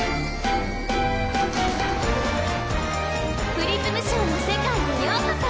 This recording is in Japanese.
プリズムショーの世界へようこそ。